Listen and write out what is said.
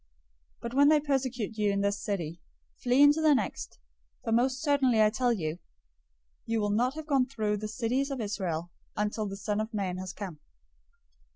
010:023 But when they persecute you in this city, flee into the next, for most certainly I tell you, you will not have gone through the cities of Israel, until the Son of Man has come.